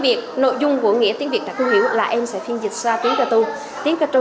việt nội dung của nghĩa tiếng việt tại không hiểu là em sẽ phiên dịch ra tiếng cơ tu tiếng cơ tu